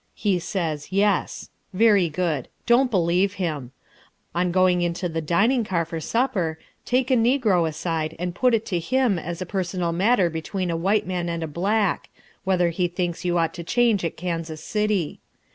He says "Yes." Very good. Don't believe him. On going into the dining car for supper, take a negro aside and put it to him as a personal matter between a white man and a black, whether he thinks you ought to change at Kansas City.